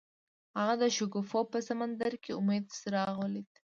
هغه د شګوفه په سمندر کې د امید څراغ ولید.